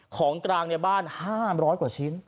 ของกลางในบ้าน๕๐๐กว่าชิ้น